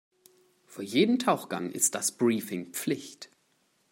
Vor jedem Tauchgang ist das Briefing Pflicht.